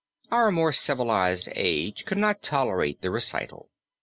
Our more civilized age could not tolerate the recital.